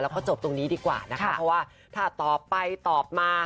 แล้วก็จบตรงนี้ดีกว่านะคะเพราะว่าถ้าตอบไปตอบมา